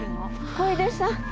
小出さん。